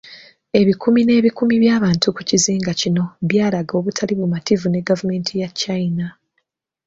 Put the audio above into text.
Ebikumi n'ebikumi by'abantu ku kizinga kino byalaga obutali bumativu ne gavumenti ya China.